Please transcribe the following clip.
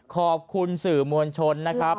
ขอบคุณสื่อมวลชนนะครับ